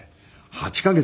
８カ月。